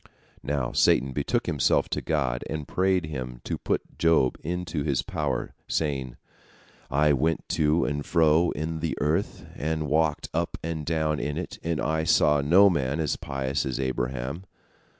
Now Satan betook himself to God, and prayed Him to put Job into his power, saying: "I went to and fro in the earth, and walked up and down in it, and I saw no man as pious as Abraham.